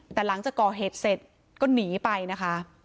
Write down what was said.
แต่หลังจากก่อเหตุเสร็จก็หนีไปนะคะ